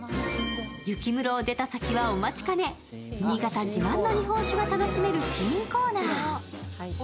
雪室を出た際はお待ちかね、新潟自慢の日本酒が楽しめる試飲コーナー。